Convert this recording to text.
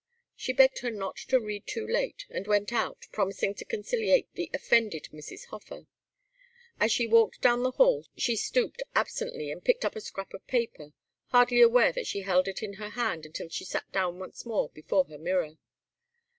She begged her not to read too late, and went out, promising to conciliate the offended Mrs. Hofer. As she walked down the hall she stooped absently and picked up a scrap of paper, hardly aware that she held it in her hand until she sat down once more before her mirror.